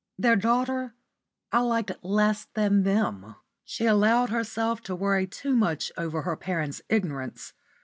Their daughter I liked less than them. She allowed herself to worry too much over her parents' ignorance.